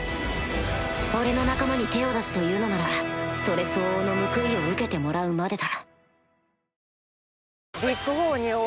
俺の仲間に手を出すというのならそれ相応の報いを受けてもらうまでだ